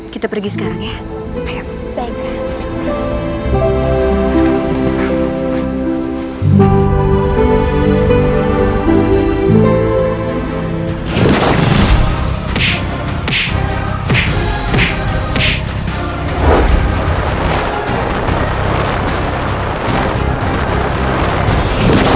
kita pergi sekarang ya